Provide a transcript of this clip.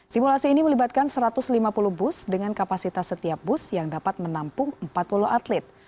simulasi ini melibatkan satu ratus lima puluh bus dengan kapasitas setiap bus yang dapat menampung empat puluh atlet